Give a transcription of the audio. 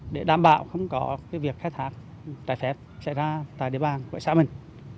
để đảm bảo không có việc khai thác trái phép xảy ra tại địa bàn của xã mình